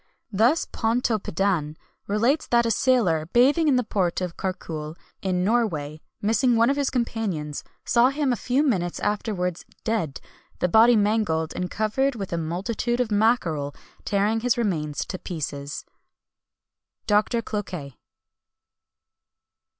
Thus Pontoppidan relates that a sailor, bathing in the port of Carcule, in Norway, missing one of his companions, saw him a few minutes afterwards dead, the body mangled and covered with a multitude of mackerel, tearing his remains to pieces." DR. CLOQUET.